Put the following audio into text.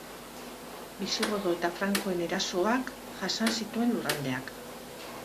Bisigodo eta frankoen erasoak jasan zituen lurraldeak.